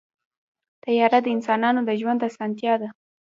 طیاره د انسانانو د ژوند اسانتیا ده.